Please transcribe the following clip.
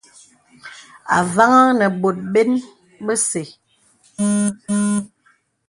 Avàŋhā nə bòt bə̀n bese.